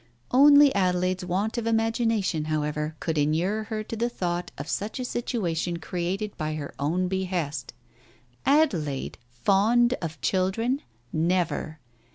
Only Adelaide's want of imagination, however, could inure her to the thought of such a situation created by her own behest. Adelaide ! fond of children ! Never